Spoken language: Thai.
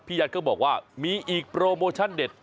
ยัดก็บอกว่ามีอีกโปรโมชั่นเด็ด